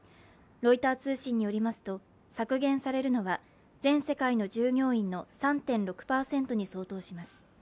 ロイター通信によりますと、削減されるのは全世界の従業員の３．６％に相当します。